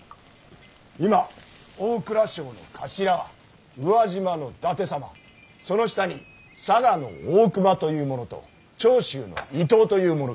今大蔵省の頭は宇和島の伊達様その下に佐賀の大隈というものと長州の伊藤というものがおる。